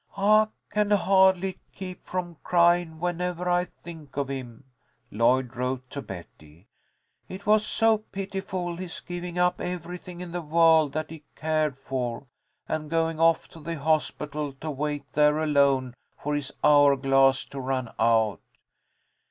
"I can hardly keep from crying whenever I think of him," Lloyd wrote to Betty. "It was so pitiful, his giving up everything in the world that he cared for, and going off to the hospital to wait there alone for his hour glass to run out.